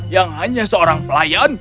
yang hanya seorang pelayan